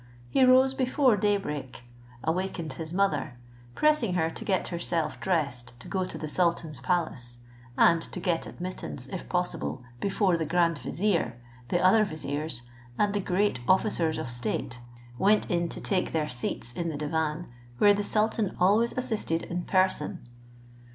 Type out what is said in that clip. He rose before day break, awakened his mother, pressing her to get herself dressed to go to the sultan's palace, and to get admittance, if possible, before the grand vizier, the other viziers, and the great officers of state went in to take their seats in the divan, where the sultan always assisted in person.